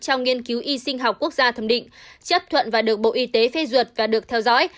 trong nghiên cứu y sinh học quốc gia thẩm định chấp thuận và được bộ y tế phê duyệt và được theo dõi